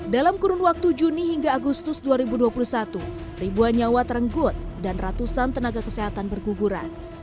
dalam kurun waktu juni hingga agustus dua ribu dua puluh satu ribuan nyawa terenggut dan ratusan tenaga kesehatan berguguran